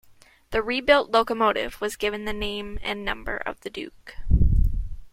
The rebuilt locomotive was given the name and number of the Duke.